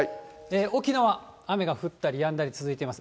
沖縄、雨が降ったりやんだり続いてます。